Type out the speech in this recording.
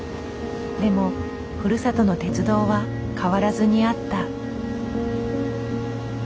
でもふるさとの鉄道は変わらずにあった。